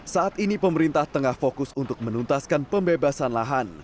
saat ini pemerintah tengah fokus untuk menuntaskan pembebasan lahan